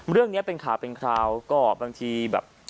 เรื่องนี้เป็นข่าวเป็นคราวก็บางทีแบบ